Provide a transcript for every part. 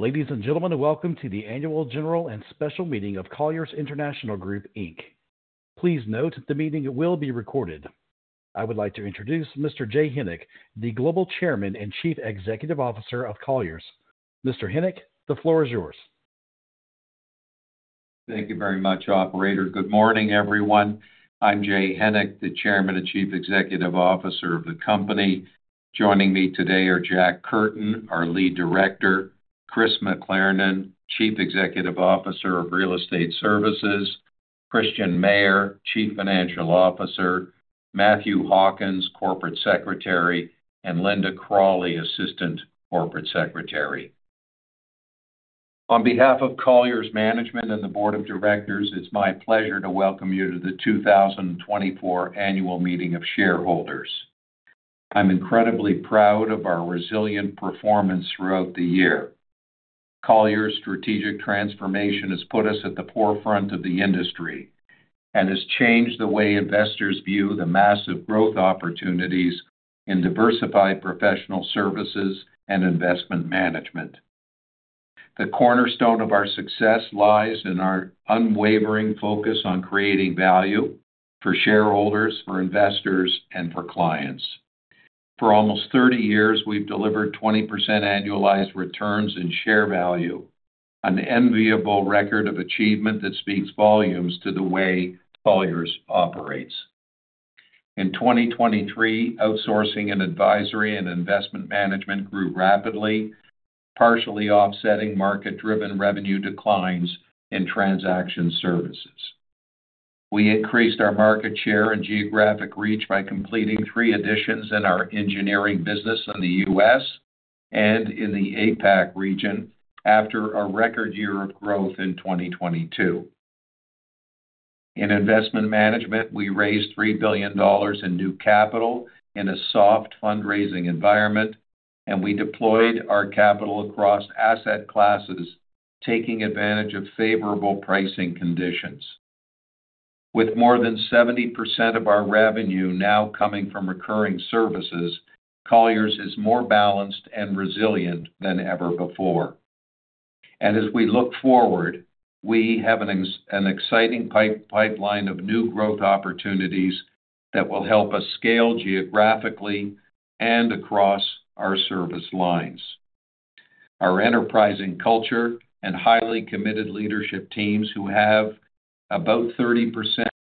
Ladies and gentlemen, welcome to the annual general and special meeting of Colliers International Group Inc. Please note the meeting will be recorded. I would like to introduce Mr. Jay Hennick, the Global Chairman and Chief Executive Officer of Colliers. Mr. Hennick, the floor is yours. Thank you very much, Operator. Good morning, everyone. I'm Jay Hennick, the Chairman and Chief Executive Officer of the company. Joining me today are John Curtin, our Lead Director, Chris McLernon, Chief Executive Officer of Real Estate Services, Christian Mayer, Chief Financial Officer, Matthew Hawkins, Corporate Secretary, and Lynda Cralli, Assistant Corporate Secretary. On behalf of Colliers Management and the Board of Directors, it's my pleasure to welcome you to the 2024 annual meeting of shareholders. I'm incredibly proud of our resilient performance throughout the year. Colliers' strategic transformation has put us at the forefront of the industry and has changed the way investors view the massive growth opportunities in diversified professional services and investment management. The cornerstone of our success lies in our unwavering focus on creating value for shareholders, for investors, and for clients. For almost 30 years, we've delivered 20% annualized returns in share value, an enviable record of achievement that speaks volumes to the way Colliers operates. In 2023, outsourcing and advisory and investment management grew rapidly, partially offsetting market-driven revenue declines in transaction services. We increased our market share and geographic reach by completing three additions in our engineering business in the U.S. and in the APAC region after a record year of growth in 2022. In investment management, we raised $3 billion in new capital in a soft fundraising environment, and we deployed our capital across asset classes, taking advantage of favorable pricing conditions. With more than 70% of our revenue now coming from recurring services, Colliers is more balanced and resilient than ever before. As we look forward, we have an exciting pipeline of new growth opportunities that will help us scale geographically and across our service lines. Our enterprising culture and highly committed leadership teams who have about 30%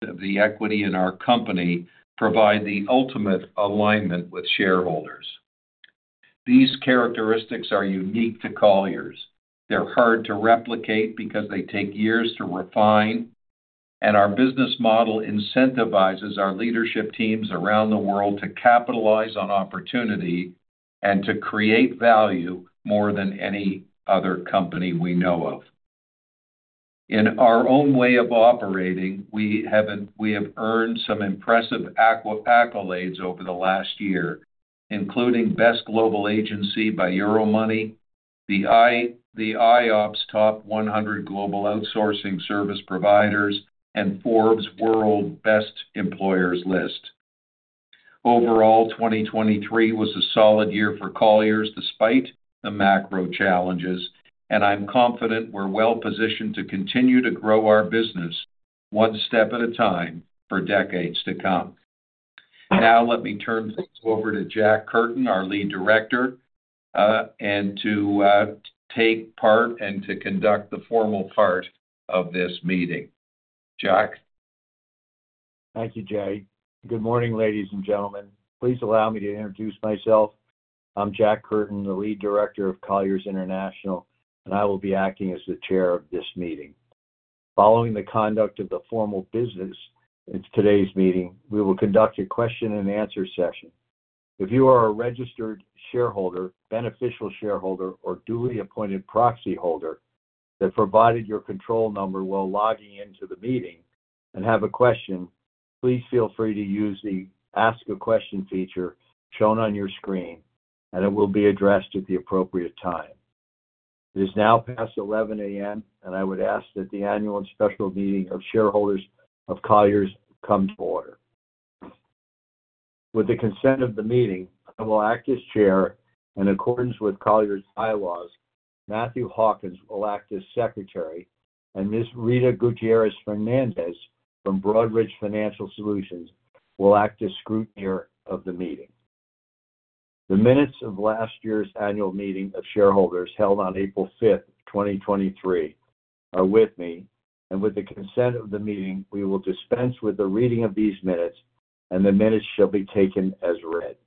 of the equity in our company provide the ultimate alignment with shareholders. These characteristics are unique to Colliers. They're hard to replicate because they take years to refine, and our business model incentivizes our leadership teams around the world to capitalize on opportunity and to create value more than any other company we know of. In our own way of operating, we have earned some impressive accolades over the last year, including Best Global Agency by Euromoney, the IAOP Top 100 Global Outsourcing Service Providers, and Forbes World Best Employers List. Overall, 2023 was a solid year for Colliers despite the macro challenges, and I'm confident we're well positioned to continue to grow our business one step at a time for decades to come. Now let me turn things over to John Curtin, our Lead Director, and to take part and to conduct the formal part of this meeting. John? Thank you, Jay. Good morning, ladies and gentlemen. Please allow me to introduce myself. I'm John Curtin Jr., the Lead Director of Colliers International, and I will be acting as the chair of this meeting. Following the conduct of the formal business in today's meeting, we will conduct a question-and-answer session. If you are a registered shareholder, beneficial shareholder, or duly appointed proxy holder that provided your control number while logging into the meeting and have a question, please feel free to use the Ask a Question feature shown on your screen, and it will be addressed at the appropriate time. It is now past 11:00 A.M., and I would ask that the annual and special meeting of shareholders of Colliers come to order. With the consent of the meeting, I will act as chair, and in accordance with Colliers bylaws, Matthew Hawkins will act as secretary, and Ms. Rita Gutierrez-Fernandez from Broadridge Financial Solutions will act as scrutineer of the meeting. The minutes of last year's annual meeting of shareholders held on April 5, 2023, are with me, and with the consent of the meeting, we will dispense with the reading of these minutes, and the minutes shall be taken as read.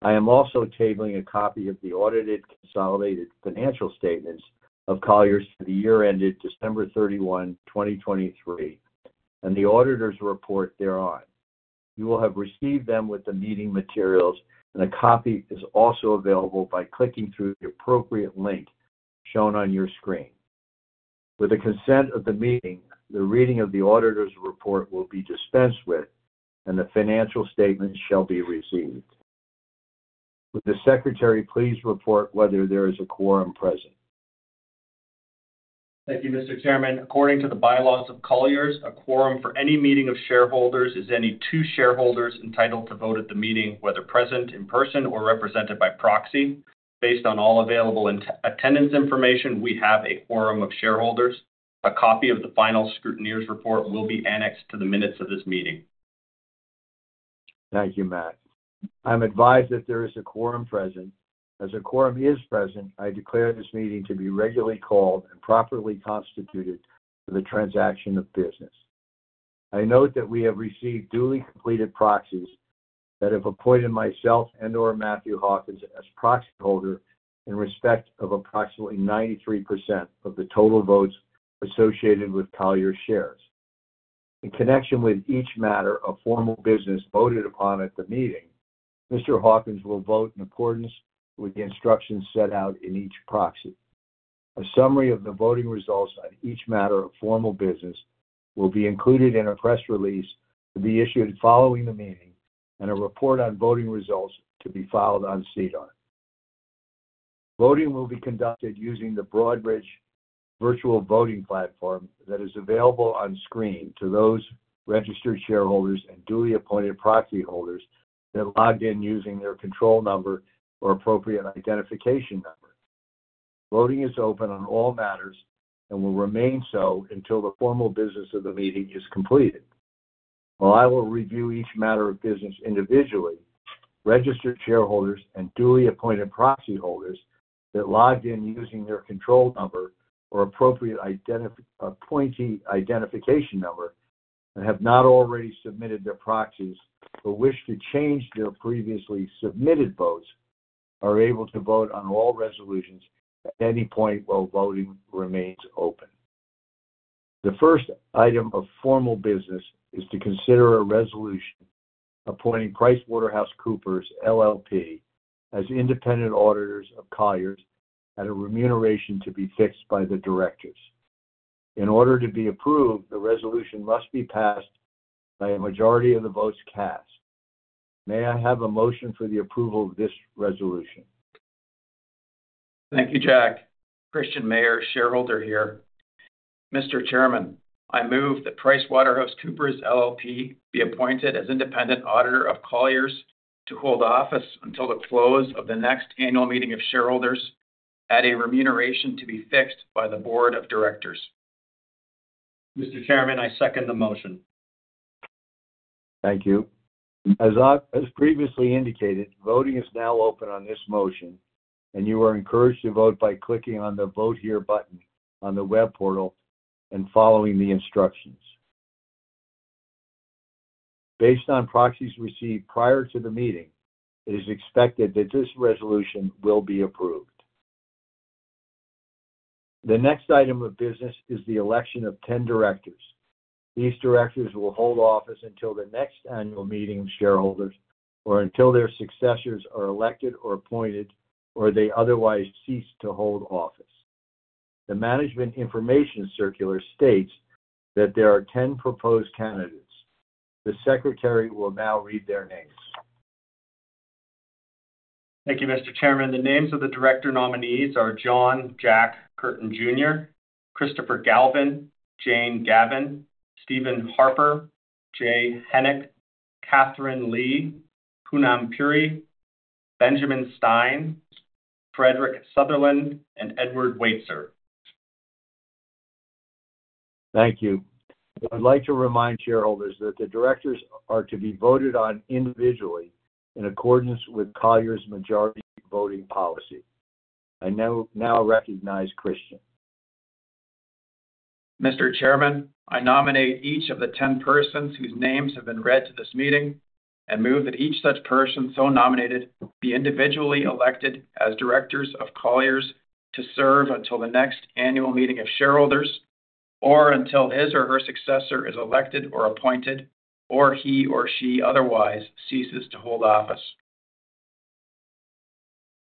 I am also tabling a copy of the Audited Consolidated Financial Statements of Colliers for the year ended December 31, 2023, and the auditor's report thereon. You will have received them with the meeting materials, and a copy is also available by clicking through the appropriate link shown on your screen. With the consent of the meeting, the reading of the auditor's report will be dispensed with, and the financial statements shall be received. Would the secretary please report whether there is a quorum present? Thank you, Mr. Chairman. According to the bylaws of Colliers, a quorum for any meeting of shareholders is any two shareholders entitled to vote at the meeting, whether present in person or represented by proxy. Based on all available attendance information, we have a quorum of shareholders. A copy of the final scrutineer's report will be annexed to the minutes of this meeting. Thank you, Matt. I'm advised that there is a quorum present. As a quorum is present, I declare this meeting to be regularly called and properly constituted for the transaction of business. I note that we have received duly completed proxies that have appointed myself and/or Matthew Hawkins as proxy holder in respect of approximately 93% of the total votes associated with Colliers shares. In connection with each matter of formal business voted upon at the meeting, Mr. Hawkins will vote in accordance with the instructions set out in each proxy. A summary of the voting results on each matter of formal business will be included in a press release to be issued following the meeting, and a report on voting results to be filed on SEDAR. Voting will be conducted using the Broadridge Virtual Voting Platform that is available on screen to those registered shareholders and duly appointed proxy holders that logged in using their control number or appropriate identification number. Voting is open on all matters and will remain so until the formal business of the meeting is completed. While I will review each matter of business individually, registered shareholders and duly appointed proxy holders that logged in using their control number or appropriate appointee identification number and have not already submitted their proxies but wish to change their previously submitted votes are able to vote on all resolutions at any point while voting remains open. The first item of formal business is to consider a resolution appointing PricewaterhouseCoopers LLP as independent auditors of Colliers and a remuneration to be fixed by the directors. In order to be approved, the resolution must be passed by a majority of the votes cast. May I have a motion for the approval of this resolution? Thank you, Jack. Christian Mayer, shareholder here. Mr. Chairman, I move that PricewaterhouseCoopers LLP be appointed as independent auditor of Colliers to hold office until the close of the next annual meeting of shareholders at a remuneration to be fixed by the board of directors. Mr. Chairman, I second the motion. Thank you. As previously indicated, voting is now open on this motion, and you are encouraged to vote by clicking on the Vote Here button on the web portal and following the instructions. Based on proxies received prior to the meeting, it is expected that this resolution will be approved. The next item of business is the election of 10 directors. These directors will hold office until the next annual meeting of shareholders or until their successors are elected or appointed or they otherwise cease to hold office. The management information circular states that there are 10 proposed candidates. The secretary will now read their names. Thank you, Mr. Chairman. The names of the director nominees are John Curtin Jr., Christopher Galvin, Jane Gavan, Stephen Harper, Jay Hennick, Katherine Lee, Poonam Puri, Benjamin Stein, Frederick Sutherland, and Edward Waitzer. Thank you. I would like to remind shareholders that the directors are to be voted on individually in accordance with Colliers' majority voting policy. I now recognize Christian. Mr. Chairman, I nominate each of the 10 persons whose names have been read to this meeting and move that each such person so nominated be individually elected as directors of Colliers to serve until the next annual meeting of shareholders or until his or her successor is elected or appointed or he or she otherwise ceases to hold office.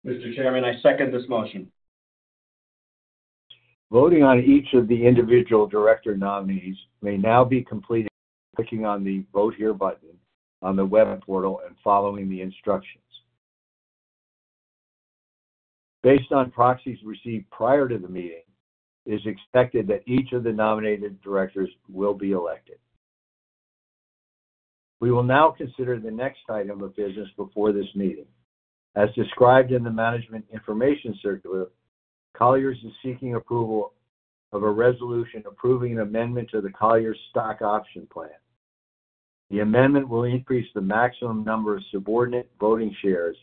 Mr. Chairman, I second this motion. Voting on each of the individual director nominees may now be completed by clicking on the Vote Here button on the web portal and following the instructions. Based on proxies received prior to the meeting, it is expected that each of the nominated directors will be elected. We will now consider the next item of business before this meeting. As described in the management information circular, Colliers is seeking approval of a resolution approving an amendment to the Colliers Stock Option Plan. The amendment will increase the maximum number of subordinate voting shares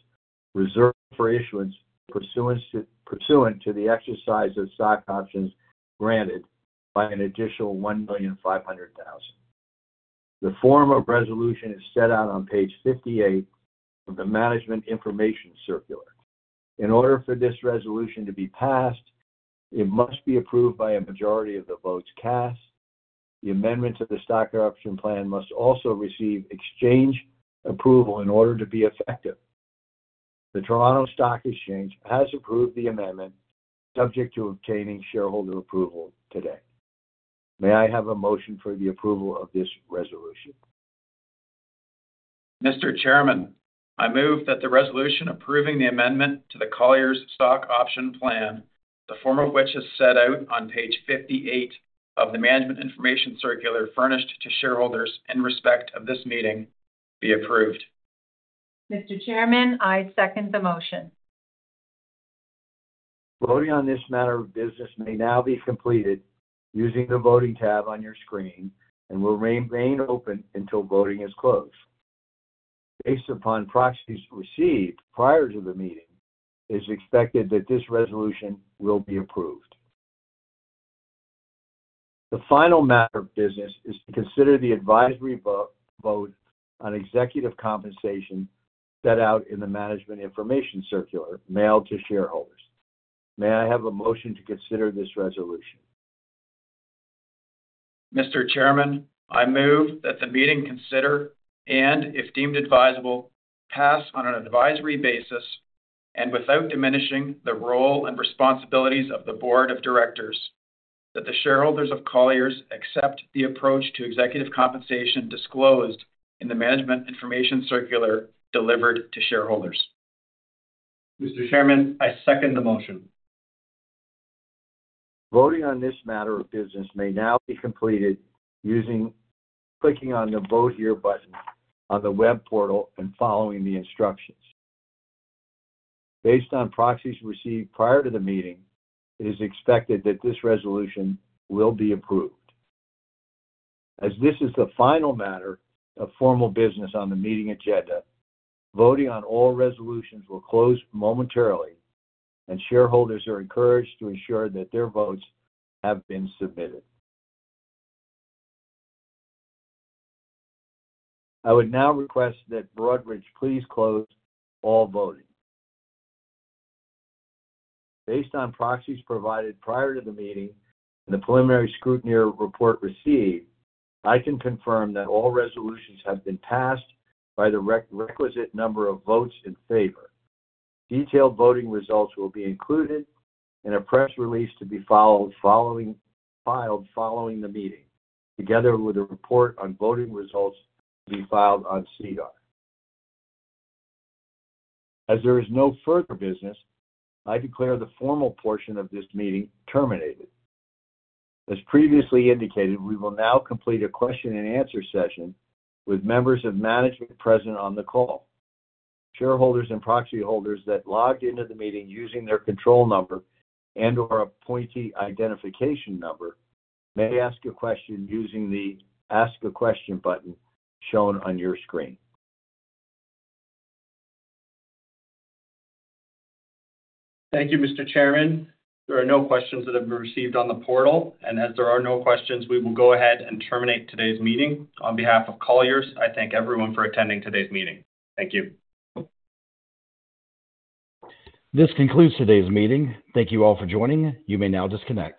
reserved for issuance pursuant to the exercise of stock options granted by an additional 1,500,000. The form of resolution is set out on page 58 of the management information circular. In order for this resolution to be passed, it must be approved by a majority of the votes cast. The amendment to the stock option plan must also receive exchange approval in order to be effective. The Toronto Stock Exchange has approved the amendment, subject to obtaining shareholder approval today. May I have a motion for the approval of this resolution? Mr. Chairman, I move that the resolution approving the amendment to the Colliers Stock Option Plan, the form of which is set out on page 58 of the management information circular furnished to shareholders in respect of this meeting, be approved. Mr. Chairman, I second the motion. Voting on this matter of business may now be completed using the voting tab on your screen and will remain open until voting is closed. Based upon proxies received prior to the meeting, it is expected that this resolution will be approved. The final matter of business is to consider the advisory vote on executive compensation set out in the management information circular mailed to shareholders. May I have a motion to consider this resolution? Mr. Chairman, I move that the meeting consider and, if deemed advisable, pass on an advisory basis and without diminishing the role and responsibilities of the board of directors, that the shareholders of Colliers accept the approach to executive compensation disclosed in the management information circular delivered to shareholders. Mr. Chairman, I second the motion. Voting on this matter of business may now be completed by clicking on the Vote Here button on the web portal and following the instructions. Based on proxies received prior to the meeting, it is expected that this resolution will be approved. As this is the final matter of formal business on the meeting agenda, voting on all resolutions will close momentarily, and shareholders are encouraged to ensure that their votes have been submitted. I would now request that Broadridge please close all voting. Based on proxies provided prior to the meeting and the preliminary scrutineer report received, I can confirm that all resolutions have been passed by the requisite number of votes in favor. Detailed voting results will be included in a press release to be filed following the meeting, together with a report on voting results to be filed on SEDAR. As there is no further business, I declare the formal portion of this meeting terminated. As previously indicated, we will now complete a question-and-answer session with members of management present on the call. Shareholders and proxy holders that logged into the meeting using their control number and/or appointee identification number may ask a question using the Ask a Question button shown on your screen. Thank you, Mr. Chairman. There are no questions that have been received on the portal, and as there are no questions, we will go ahead and terminate today's meeting. On behalf of Colliers, I thank everyone for attending today's meeting. Thank you. This concludes today's meeting. Thank you all for joining. You may now disconnect.